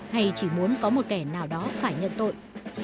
hay chỉ muốn có một kẻ nào đó phải nhận tội